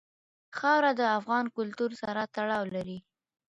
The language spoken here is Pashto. خاوره د افغان کلتور سره تړاو لري.